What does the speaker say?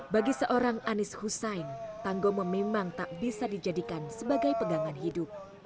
bagi seorang anies hussein tanggomo memang tak bisa dijadikan sebagai pegangan hidup